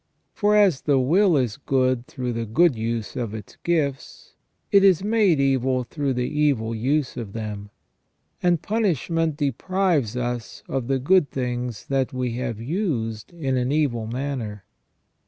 For as the will is good through the good use of its gifts, it is made evil through the evil use of them ; and punishment deprives us of the good things that we have used in an evil manner.